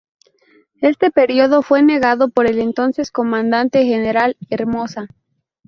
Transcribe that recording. Este pedido fue negado por el entonces Comandante General Hermosa.